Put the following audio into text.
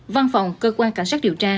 văn phòng cơ quan cả sát điều tra